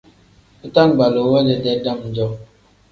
Bitangbaluu we dedee dam-jo.